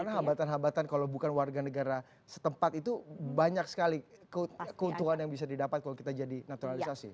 karena hambatan hambatan kalau bukan warga negara setempat itu banyak sekali keuntungan yang bisa didapat kalau kita jadi naturalisasi